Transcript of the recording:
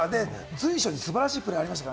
随所に素晴らしいプレーがありました。